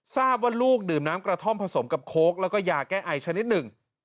ทราบว่าลูกดื่มน้ำกระท่อมผสมกับโค้กแล้วก็ยาแก้ไอชนิดหนึ่ง